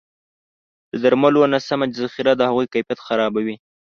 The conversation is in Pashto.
د درملو نه سمه ذخیره د هغوی کیفیت خرابوي.